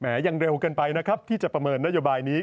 ยังเร็วเกินไปนะครับที่จะประเมินนโยบายนี้